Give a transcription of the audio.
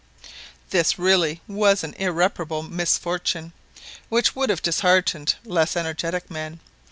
This really was an irreparable misfortune, which would have disheartened less energetic men.